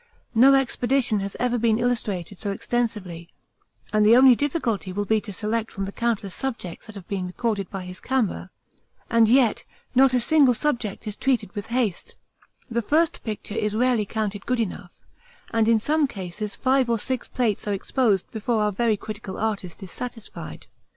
No expedition has ever been illustrated so extensively, and the only difficulty will be to select from the countless subjects that have been recorded by his camera and yet not a single subject is treated with haste; the first picture is rarely counted good enough, and in some cases five or six plates are exposed before our very critical artist is satisfied.